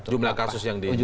jumlah kasus yang diinginkan